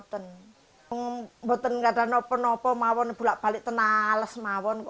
nek kalau kejadian lupa ulisa misal tunggan berkumpulan menjadi sayang